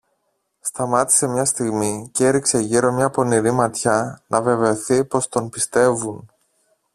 Σταμάτησε μια στιγμή κι έριξε γύρω μια πονηρή ματιά, να βεβαιωθεί πως τον πιστεύουν.